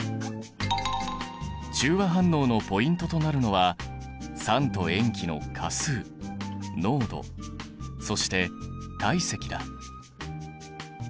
中和反応のポイントとなるのは酸と塩基の価数濃度そして体積だ。